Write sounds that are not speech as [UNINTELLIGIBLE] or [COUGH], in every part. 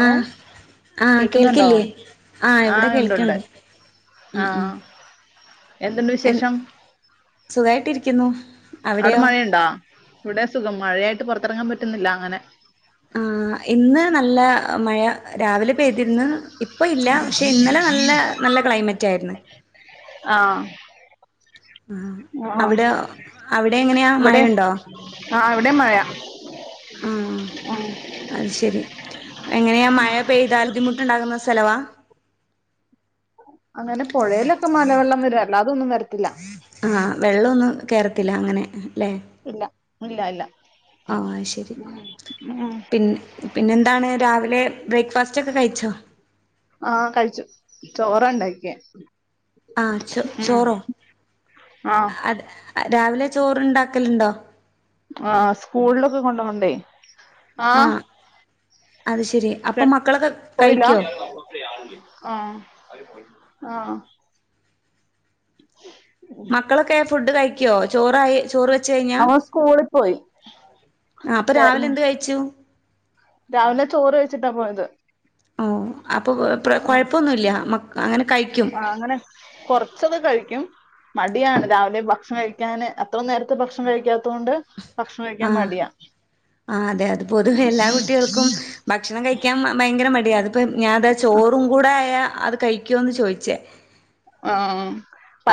ആ ആ കേക്കുന്നുണ്ടോ കേൾക്കില്ലേ ആ എവിടെ ആഹ് ഉണ്ടുണ്ട് കേൾക്ക്ണ്ട്. ഉം ഉം ആഹ് എന്തുണ്ട് വിശേഷം? രിക്കുന്നു. അവിടെ മഴയൊണ്ടാ? ഇവിടെ സുഖം. മഴയായി ട്ട് പൊറത്തിറങ്ങാൻ പറ്റുന്നില്ല അങ്ങനെ ആ ഇന്ന് നല്ല മഴ രാവിലെ പെയ്തിരുന്നു. ഇപ്പ ഇല്ല പക്ഷെ ഇന്നലെ നല്ല നല്ല ക്ലൈമറ്റ് ആയിരുന്നു. ആ അവിടെ അവിടെ എങ്ങനെയാ ഇവിടെ മഴയുണ്ടോ? ആഹ് ഇവിടെ മഴ ആ അത് ശരി എങ്ങനെയാ മഴ പെയ്താ ബുദ്ധിമുട്ട്ണ്ടാകുന്ന സ്ഥലവാ? അങ്ങനെ പുഴയിലൊക്കെ മലവെള്ളം വരും. അല്ലാതൊന്നും വരത്തില്ല. ആഹ് വെള്ളമൊന്നും കേറത്തില്ല. അങ്ങനെ ല്ലേ? ഇല്ല ഇല്ല ഇല്ല ആ ശരി ഉം പിന്നെ പിന്നെന്താണ് രാവിലെ ബ്രേക്ക്ഫാസ്റ്റ് ഒക്കെ കഴിച്ചോ? ക്യെ. ആ ചോ ചോറോ? ആഹ് അത് രാവിലെ ചോറുണ്ടാക്കലുണ്ടോ? ആ സ്കൂളിലൊക്കെ കൊണ്ടുപോകണ്ടേ? ആ ആഹ് അത് ശെരി അപ്പൊ മക്കളൊക്കെ കഴിക്കോ? ആ മക്കളൊക്കെ ഫുഡ് കഴി ക്കോ ചോറായി ചോറ് വ അവൻ സ്കൂളി പോയി. ആഹ് അപ്പോ രാവിലെ പേരന് എന്ത് കഴിച്ചു. രാവിലെ ചോറ് കഴിച്ചിട്ടാ പോയത്. ആഹ്. അപ്പോൾ [UNINTELLIGIBLE] ആഹ് കുഴപ്പമൊന്നുമില്ല മക് അങ്ങനെ കഴിക്കും ആഹ് അങ്ങനെ കുറച്ചൊക്കെ കഴിക്കും മടിയാണ് രാവിലെ ഭക്ഷണം കഴിക്കാന് അത്ര നേരത്തെ ഭക്ഷണം കഴിക്കാത്തോണ്ട് ആഹ് ആഹ് അതെ അത് പൊതുവേ എല്ലാ കുട്ടികൾക്കും ഭക്ഷണം കഴിക്കാൻ ഭയങ്കര മടിയ. അപ്പം ഞാൻ താ ചോറും കൂടെ ആയ അത് കഴിക്കോന്ന് ചോയിച്ചേ. ആഹ്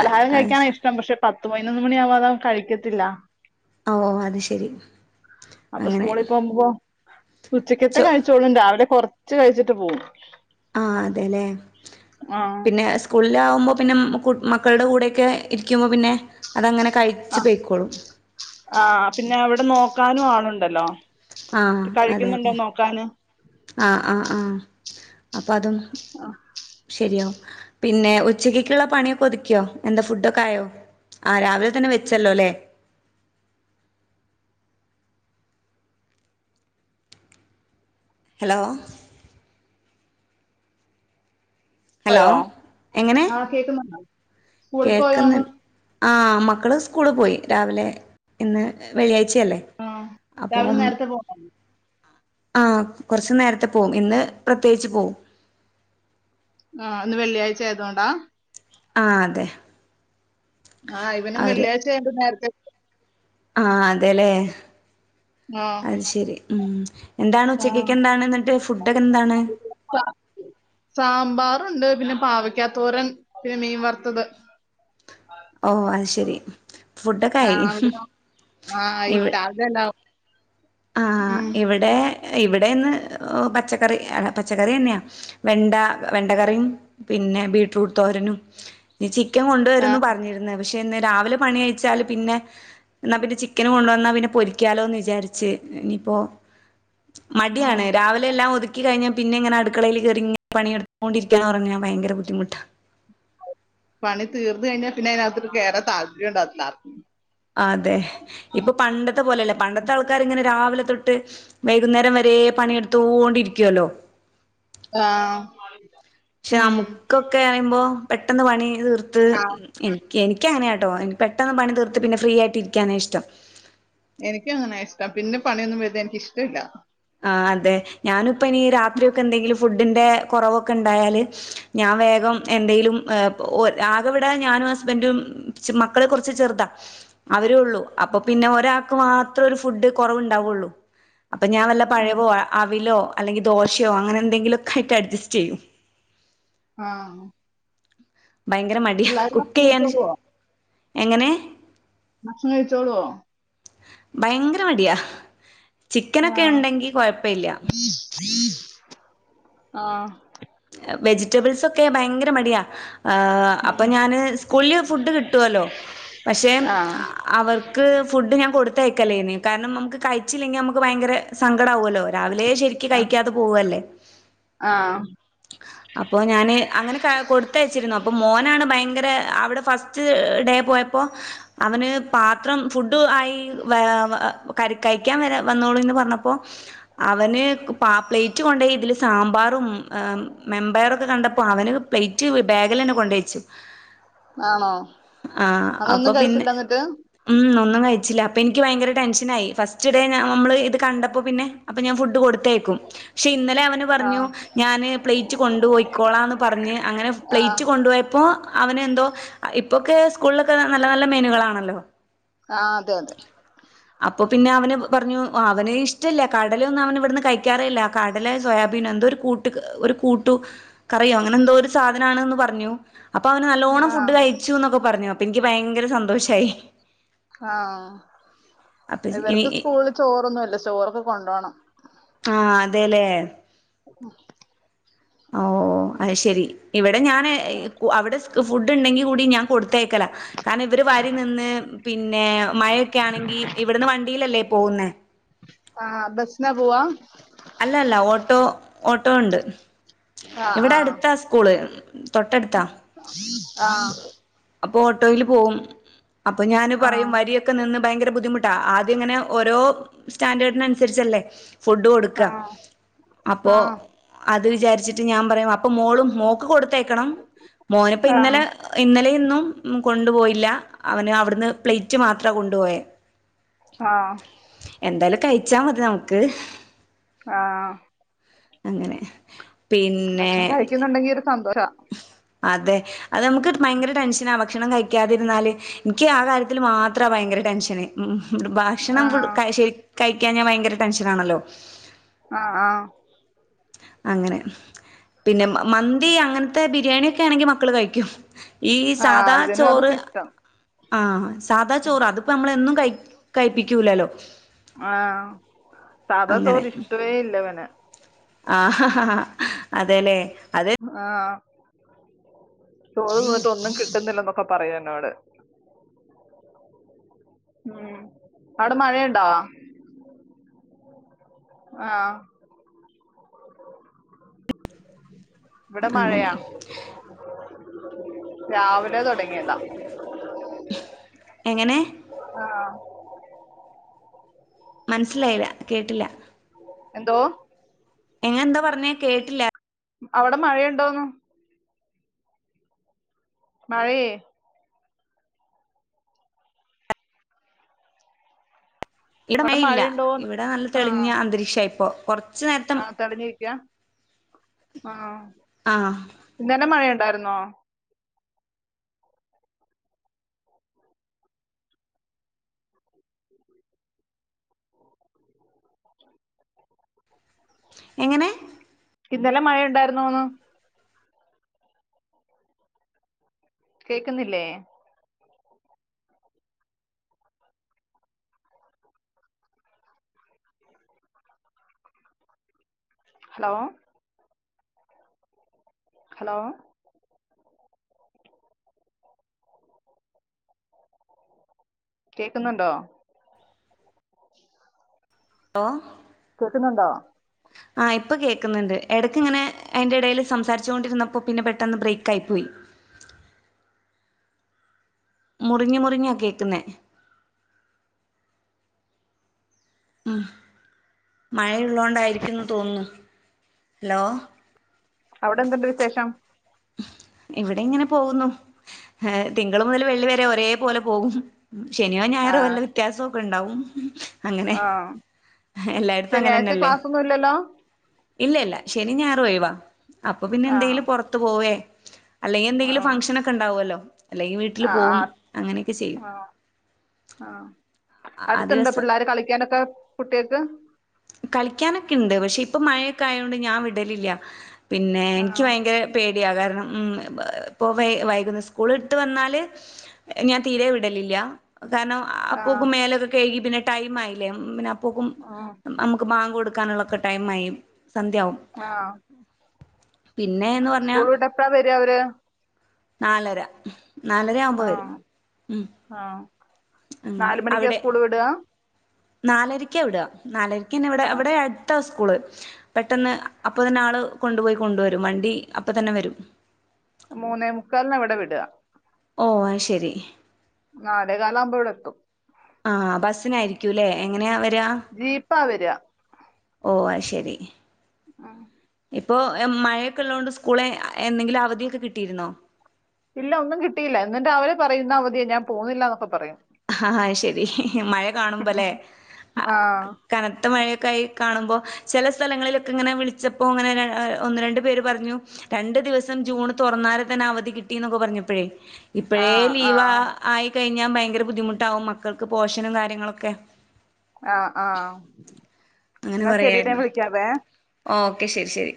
ഓഹ് അത് കഴിക്കാന ശ ഇഷ്ടം പക്ഷെ പത്ത് പതിനൊന്ന് മണിയാവാത അവൻ കഴിക്കത്തില്ല. ഓ ഓ അത് ശെരി അപ്പൊ അങ്ങനെ. സ്കൂളിൽ പോകുമ്പോ ഉച്ചക്കത്തെ ചോ കഴിച്ചോളുണ്ട രാവിലെ കുറ ച്ച് കയിച്ചിട്ട് പോം ആ അതെല്ലേ ആഹ് പിന്നെ സ്കൂളിലാമ്പോ പിന്നെ കു മക്കടെ കൂടെയൊക്കെ ഇരിക്കുമ്പോ പിന്നെ അതങ്ങനെ കഴിച്ച് ആഹ് പൊയ്ക്കോളും ആഹ് പിന്നെ അവിടെ നോ ക്കാനും ആളുണ്ടല്ലോ ആഹ് അതെ കഴിക്കുന്നുണ്ടോ അതെ നോക്കാന് ആഹ് ആഹ് ആഹ് അപ്പ തും ശരിയാവും പിന്നെ ഉച്ചക്കക്കുള്ള പണിയൊക്കെ ഒതുക്കിയോ എന്താ ഫുഡൊക്കെ ആയോ ആ രാവിലെ തന്നെ വെച്ചല്ലോ അല്ലേ ഹലോ ഹലോ പോയോ എങ്ങനെ ആഹ് കേക്കുന്നുണ്ടൊ കേൾക്കുന്ന് ആ മക്കള് സ്കൂള് പോയി രാവിലെ ഇന്ന് വെള്ളിയ ആഹ് രാവിലെ നേരത്തെ പോണോ ആഹ് കൊറച്ച് നേരത്തെ പോം ഇന്ന് പ്രത്യേകിച്ച് പോം ആഹ് ഇന്ന് വെള്ളിയാഴ്ച ആയതൊണ്ടാ ആഹ് അതെ ആഹ് ഇവനും അവര് വെള്ളിയാഴ്ചയായൊണ്ട് നേരത്തെ ആഹ് അതെല്ലേ ആ അത് ശരി ഉം എന്താണ് ആ ഉച്ചക്കക്ക് എന്താണ് എന്നിട്ട് ഫുഡൊക്കെ എന്താണ് ണ്ട് പിന്നെ പാവക്കാത്തോരൻ പിന്നെ മീൻ വറുത്തത് ഓ അ ശരി ഫുഡൊക്കെ ആയി ആഹവി ആഹ് ആയിട്ട അതെല്ല ആഹ ഇവിടെ ഇവിടെന്ന് പച്ചക്കറി പച്ചക്കറി തന്നെയാ വെണ്ട വെണ്ടക്കറിയും പിന്നെ ബീടറൂട്ട് തോരനും ഒം ആ കൊണ്ടുവരുരുന്നു പറഞ്ഞിരുന്ന പക്ഷെ ഇന്ന് രാവിലെ പണി അയച്ചാല് പിന്നെ എന്നാ പിന്നെ ചിക്കന് കൊണ്ടുവ വന്നാൽ പിന്നെ പൊരിക്കാലോ എന്ന് വിചാരിച്ചു ഇപ്പോ മടിയാണ് രാവിലെ എല്ലാം ഒതുക്കി കഴിഞ്ഞ പിന്നെ എങ്ങനെ അടുക്കളയിൽ കയറിങ്ങ പണിയെടുുകോണ്ടിരിക്കാൻ ഉറങ്ങാ ഭയങ്കര ബദ്ധിമുട്ട് പണി തീർന്ന കഴിഞ്ഞാൽ പിന്നെ അതിനകത്ത് കേയറ താല്പര്യം ഉണ്ടാകത്തില്ലാർക്കും അതെ ഇപ്പൊ പണ്ടത്തെ പോലെല്ലേ പണ്ടത്തെ ആൾക്കാർ ഇങ്ങനെ രാവിലെ തൊട്ട് വൈകുന്നേരം വരെ പണിയെടുത്തോണ്ടിരിക്കുവല്ലോ. ആഹ് പക്ഷെ നമുക്കൊക്കെ പറയുമ്പോ പെട്ടെന്ന് പണി തീ ർത്ത് ആ എ എനിക്കങ്ങനൊട്ടോ എനി പെട്ടെന്ന് പണി തീർത്ത് പിന്നെ ഫ്രീ ആയിട്ട് ഇരിക്കാന ഇഷ്ടം. എനക്ക് അങ്ങനെയെ ഇഷ്ടം. പിന്നെ പണിയൊന്നും വരുന്നേ എനിക്ക് ഇഷ്ടമില്ല. ആ അതെ ഞാനിപ്പ ഇനി രാത്രിയ ഒക്കെ എന്തെങ്കിലും ഫുഡിന്റെ കുറവൊക്കെ ഉണ്ടായാല് ഞാൻ വേഗം എന്തെങ്കിലും ആകെവിടാ ഞാനും ഹസ്ബൻറും മക്കള കുറച്ച് ചെറുതാ അവര ഉള്ളൂ. അപ്പൊ പിന്നെ ഒരാൾക്ക് മാത്രം ഒരു ഫുഡ് കുറവ ഉണ്ടാവുള്ളൂ അപ്പൊ ഞാൻ ഉം പഴവോ, അവിലോ, അല്ലെങ്കിൽ ദോശയോ അങ്ങനെ എന്തെങ്കിലുമൊക്കായിട്ട് അഡ്ജസ്റ്റ് ചെയ്യും. ആഹ് ഭയങ്കര മടിയ കുക്ക് ചെയ്യാൻ. കഴിച്ചോളുവോ എങ്ങനെ? ഭക്ഷണം കഴിച്ചോളുവോ ഭയങ്കര മടിയാ. ആ ചിക്കനൊക്കെ ഉണ്ടെങ്കി കൊഴപ്പില്ല. ആ വെജിറ്റബിൾസൊക്കെ ഭയങ്കര മടിയാ. അപ്പൊ ഞാന് സ്കൂളിൽ ഫുഡ് കിട്ടുമല്ലോ പക്ഷെ ആ അവർക്ക് ഫുഡ് ഞാൻ കൊടുത്തയ ക്കലേന് കാരണം നമുക്ക് കഴിച്ചില്ലെങ്കിൽ നമുക്ക് ഭയങ്കരങ്കട ആവുവല്ലോ രാവിലെ അല്ല ശെരിക്ക് കഴിക്കാതെ പോവല്ലേ ആഹ് അപ്പൊ ഞാന് അങ്ങനെ കൊടുത്തയച്ചിരുന്നു അപ്പൊ മോനാണ് ഭയങ്കര അവിടെ ഫസ്റ്റ് [UNINTELLIGIBLE] ഡേ പോയപ്പോ അവന് പാത്രം ഫുഡ് ആയി വ വാ [UNINTELLIGIBLE] കയ്യ്ക്കാൻ വരാ വന്നോളൂന്ന് പറഞ്ഞപ്പോ അവന് പാ പ്ലേറ്റ് കൊണ്ട ഇതില് സാമ്പാറും മെമ്പയറൊക്കെ കണ്ടപ്പോ അവന് പ്ലേറ്റ് ബാഗിൽ തന്നെ കൊണ്ടച്ചു ആണോ അതൊന്നും പിന്നെ കഴിച്ചില്ല എന്നിട്ട് ഉം ഒന്നും കഴിച്ചില്ല അപ്പൾ എനിക്ക് ഭയങ്കര ടെഷൻ ആയി ഫസ്റ്റ് ഡേ ഞാ നമ്മള് ഇത് കണ്ടപ്പോ പിന്നെ അപ്പ ഞാൻഫുഡ്ഡ് കൊടുത്തയക്കും ക്കും ഷെ ഇന്നലെ അവ പറഞ്ഞു ആഹ് ഞാന് [UNINTELLIGIBLE] കൊണ്ടൂയിക്കോളാന്ന് പറഞ് അങ്ങനെ ആഹ് പ്ലേറ്റ് കൊണ്ടേയൊ പ്പോ അവന എന്തോ ഇപ്പൊക്കെ സ്കൂളിലൊക്കെ നല്ല നല്ല മെനുകളാണല്ലോ ആഹ് അതെ അതെ അപ്പൊ പിന്നെ അവന് പറഞ്ഞു അവന് ഇഷ്ടല്ല കടലൊന്നും അവന ഇവിടുന്ന് കഴിക്കാറില്ല കടല സോയാബീൻ എന്തോ ഒരു കൂട്ട ഒരു കൂട്ട ട്ടുകറി അങ്ങനെ എന്തോ ഒരു സാധനാണന്ന് പറഞ്ഞു അപ്പൊ അവന് നല്ലോണ്ണം ആഹ് ഫുഡ് കഴിച്ചു എന്നൊക്കെ പറഞ്ഞോ അപ്പൊ എനിക്ക് ഭയങ്കര സന്തോഷായി ആഹ് അപ്പൊ ഇനി ഇവർക്ക് സ്കൂളിൽ ചോറൊന്നുല്ല ചോറൊക്കെ കൊണ്ടോണം ആഹ് അതെല്ലേ [UNINTELLIGIBLE] ഓ അഹ് ശെരി ഇവിടെ ഞാൻ അവിടെ ഫുഡ് ഉണ്ടെങ്കി കൂടി ഞാൻ കൊടുത്തേക്കല കാരണം ഇവർ വരി നിന്ന് പിന്നെ മഴൊക്കെ ആണെങ്കി ഇവിടുന്ന് വണ്ടീലല്ലേ പോകുന്നെ ആ ബസ്ന പോവാ അല്ല അല്ല ഓട്ടോ ഓട്ടോ ഉണ്ട് ഇവിടെ അടുത്ത സ്കൂള് തൊട്ടടുത്താ [UNINTELLIGIBLE] ആ അപ്പൊ ഓട്ടോയില് പോവും അപ്പൊ ഞാന് പറയും ആഹ് വരിയൊക്കെ നിന്ന് ഭയങ്കര ബുദ്ധിമുട്ടാ ആദ്യം ഇങ്ങനെ ഓരോ സ്റ്റാൻഡേർഡിനനുസരിച്ചല്ലേ ഫുഡ്ഡ് കൊടുക്ക ആഹ് അപ്പോ അത് ഇത് വിചാർച്ചി റ്റ്ഞാൻ പറയും അപ്പോ മോളും മോക്ക് കൊട ത്തെയക്കണം മോന്പ്പ ആഹ് ഇന്നല്ലേ ആഹ് [UNINTELLIGIBLE] [UNINTELLIGIBLE] കൊണ്ട് പോയില്ല അവന് അവർ ന്ന് പ്ലേറ്റ് മാത്രം കൊ ടോയെ ആഹ് കഴിച്ചാ മതി നമുക്ക് ആഹ് അങ്ങനെ പിന്നെ ഭക്ഷണം കഴിക്കുന്നുണ്ടെങ്കി ഒരു സന്തോ ശ അതെ അത് നമുക്ക് ഭയങ്കര ടെൻഷനാ ഭക്ഷണം കഴിക്കാതിരുന്നാല് ഇൻക്ക് ആ കാര്യത്തിൽ മാത്രാ ഭയങ്കര ടെൻഷന് ഭക്ഷണം കൊടു ആഹ് [UNINTELLIGIBLE] കഴിക്കാഞ്ഞാ ഭയങ്കര ടെൻഷൻ ആണല്ലോ ആഹ് ആഹ് അങ്ങനെ പിന്നെ മന്തി അങ്ങനത്തെ ബിരിയാണി ഒക്കെ ആണെങ്കി മക്കള് കഴിക്കും ഈ ആഹ് സാധാ ഇവനും ചോറ് അതൊക്കെ ഇഷ്ടം ആഹ് സാധാ ചോറ് അതിപ്പ നമ്മൾ എന്നും കഴി കഴിപ്പിക്കൂല്ലല്ലോ ആഹ് സാധാ ചോറ് ഇഷ്ടവേ അല്ല ഇവന് ആഹ ആ ആ ആ അതേല്ലേ അതെ [UNINTELLIGIBLE] പോയിട്ട് ഒന്നും കിട്ടുന്നില്ലന്നൊക്കെ പറയും എന്നോട് അവിടെ മഴയുണ്ടാ ആഹ് ഇവിടെ അങ്ങനെ. മഴയാ [INAUDIBLE] [UNINTELLIGIBLE] രാവിലെ തുടങ്ങിയതാ എങ്ങനെ? ആഹ് മനസ്സിലായില്ല കേട്ടില്ല എന്തോ എങ്ങ എന്താ പറഞ്ഞേ കേട്ടില്ല അവിടെ മഴയുണ്ടോന്ന് മഴയേ ഇവിടെ അവിടെ മഴ ഇല്ല മഴയുണ്ടോന്ന് ഇവിടെ നല്ല തെളിഞ്ഞ അന്തരീക്ഷാ ഇപ്പോ [INAUDIBLE] [UNINTELLIGIBLE] ആഹ് തെളിഞ്ഞ് നിക്കുവാ ആന്നോ [UNINTELLIGIBLE] ആഹ് ഇന്നലെ മഴ [UNINTELLIGIBLE] [UNINTELLIGIBLE] എങ്ങനെ ഇന്നലെ മഴ ഉണ്ടായിരുന്നോന്ന് കേക്കുന്നില്ലേ ഹലോ ഹലോ കേക്കുന്നുണ്ടോ ഓ ക്കുന്നുണ്ടോ ആ ഇപ്പൊ കേൾക്കുന്നുണ്ട് ഇടക്ക് ഇങ്ങനെ അതിന്റെ ഇടയിൽ സംസാരിച്ചു കൊണ്ടിരുന്നപ്പോ പിന്നെ പെട്ടന്ന് ബ്രേക്ക് ആയി പോയി മുറിഞ്ഞ് മുറിഞ്ഞാ കേക്കുന്നേ ഉം മഴയുള്ളുണ്ടായിരിക്കും ന്ന് തോന്നുന്നു ഹലോ അവിടെ എന്ത്ണ്ട് വിശേഷം ഇവിടെ ഇങ്ങനെ പോകുന്നു തിങ്കൾ മുതൽ വെള്ളിിവരെ ഒരേ പോലെ പോകും ശനിയോ ആ ഞായറോ വല്ല വ്യത്യാസക്കെണ്ടാവും അങ്ങനെ ആ എല്ലായിടത്തും ശനിയാഴ്ച അങ്ങനെന്നല്ലേ ക്ലാസ് ഒന്നും ഇല്ലല്ലോ ഇല്ലല്ല ശരി ഞായ ഒഴിവാ അപ്പൊ പിന്നെ ആ എന്തെലും പുറത്ത് പോയേ അല്ലെങ്ക ആ എന്തെലും ഫങ്ക്ഷന് ഉണ്ടാവുമല്ലോ അല്ലെങ്കിൽ വീട്ടിൽ ആ ആ പോവും അങ്ങനെയൊക്കെ ചെയ്യും ആ ആ ആ അടുത്തണ്ട് ദിവസം പിള്ളോര് കളിക്കാനൊക്കെ കുട്ടികൾക്ക് കളിക്കാനൊക്കെ ഉണ്ട് പക്ഷെ ഇപ്പ മഴയൊക്കെ ആയതത്ൊണ്ട് ഞാൻ വിടലില്ല പിന്നെ ആ എനിക്ക് ഭയങ്കര പേ ടിയാകാരണം ഇ വൈകുന്ന സ്കൂള വിട്ട്ന്നാല് ഞാൻ തീരെ വിടലില്ല കാരണം ആ ആപ്പൂക്കും മേലൊക്കെ കഴി പിന്നെ ടൈം ആയില്ലേ പിന്നെ അപ്പോക്കും ആഹ നമുക്ക് ബാങ്ക് കൊടുക്കാനുള്ളൊക്കെ ടൈം ആയി സന്ധ്യയാവും പിന്നെന്ന് സ്കൂൾ പറഞ്ഞാ വിട്ട് എപ്പ്രാ വര അവര് നാലര നാലര ആവുമ്പോ വരും ഉ നാല മണിിക്കാ സ്കൂൾ വിട നാലരരിക്ക ഇവിട നാലര പിന്നെ ഇവിടെ അവിടെ ആഹ് അടുത്ത സ്കൂ സ്കൂളപെട്ടെന്ന് അപ്പ തന്നെ ആള് കൊണ്ടുപോയി കൊണ്ട വരും വണ്ടി അപ്പ തന്നെ വരും മൂന്നേ മുക്കാലന് ഇവിടെ വിടുക ഓ അത് ശെരി നാലേ കാലാവുമ്പോ ഇവിടെ എത്തും ആഹ ബസ്സിനായിരിക്കൂല്ലേ എങ്ങനെയാ വരാ ജീപ്പ വരാ ഓ അത് ശെരി ആഹ ഇപ്പൊ മഴയൊക്കെ ഉള്ളത കൊണ്ട് സ്കൂളെ എന്തെങ്കിലും അവധിയൊക്കെ കിട്ടിയിരുന്നോ ഇല്ല ഒന്നും കിട്ടിയില്ല എന്നിട്ട് അവര് പറയുന്ന അവധിയെ ഞാൻ പോുന്നില്ല എന്നൊക്കെ പറയാം ആഹ ശരി മഴ കാണുമ്പോല്ലേ ആഹ് കനത്ത മഴയ കൈ കാണുമ്പോ ചെല സ്ഥലങ്ങളിലൊക്കെ ഇങ്ങനെ വിളിച്ചപ്പോ ഇങ്ങനെ ഒന്ന് രണ്ടു പേര് പറഞ്ഞു രണ്ടു ദിവസം ജൂൺ തുറന്നാൽ തന്നെ അവധി കിട്ടി എന്നൊക്കെ പറഞ്ഞപ്പോഴേ ഇപ്പഴേ ആഹ് ലീവാ ആഹ് ആയി കഴിഞ്ഞാ ഭയങ്കര ബുദ്ധിമുട്ടാവും മക്കൾക്ക് പോർഷനും കാര്യങ്ങളൊക്കെ ആഹ് ആഹ് എന്നാ ശരിടോ ഞാൻ വിളിക്കാവേ ഓ ഓക്കെ ശരി ശരി